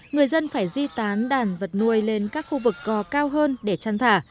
người dân phải di tán đàn vật nuôi lên các khu vực gò cao hơn để chăn thả